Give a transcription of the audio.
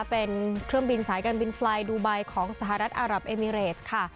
เป็นเครื่องบินสายการบินไฟล์ดูไบของสหรัฐอารับเอมิเรสค่ะ